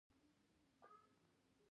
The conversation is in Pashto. دا کرښې د موضوع په پوهاوي کې ګټورې دي